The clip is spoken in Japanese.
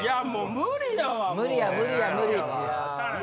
無理や無理や！